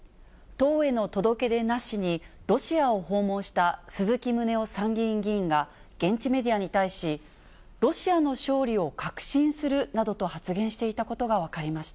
党への届け出なしに、ロシアを訪問した鈴木宗男参議院議員が、現地メディアに対し、ロシアの勝利を確信するなどと発言していたことが分かりました。